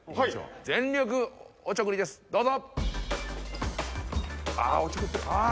全力おちょくりですどうぞ。